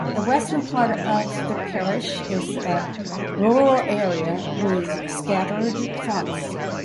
The western part of the parish is a rural area with scattered farms.